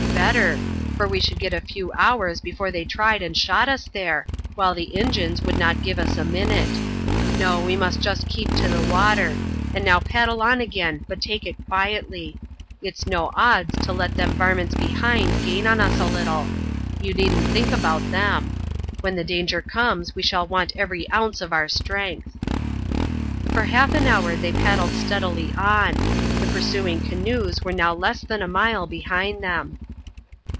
Better; for we should get a few hours before they tried and shot us there, while the Injuns would not give us a minute. No, we must just keep to the water; and now paddle on again, but take it quietly. It's no odds to let them varmints behind gain on us a little. You needn't think about them. When the danger comes we shall want every ounce of our strength." For half an hour they paddled steadily on. The pursuing canoes were now less than a mile behind them.